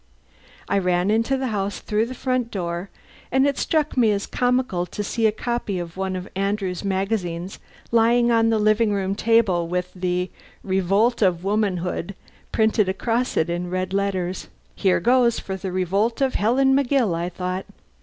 I ran into the house through the front door, and it struck me as comical to see a copy of one of Andrew's magazines lying on the living room table with "The Revolt of Womanhood" printed across it in red letters. "Here goes for the revolt of Helen McGill," I thought.